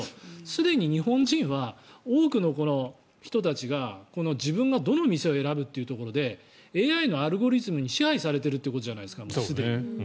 すでに日本人は、多くの人たちが自分がどの店を選ぶっていうところでＡＩのアルゴリズムに支配されてるってことじゃないですかもうすでに。